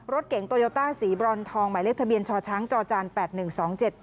รถเก๋งโตโยต้าสีบรอนทองหมายเลขทะเบียนชช้างจอจานแปดหนึ่งสองเจ็ด